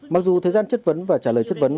mặc dù thời gian chất vấn và trả lời chất vấn